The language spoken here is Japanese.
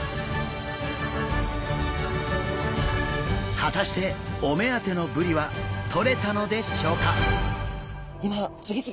果たしてお目当てのブリはとれたのでしょうか？